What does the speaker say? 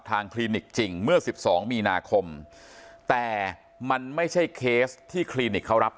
คลินิกจริงเมื่อ๑๒มีนาคมแต่มันไม่ใช่เคสที่คลินิกเขารับ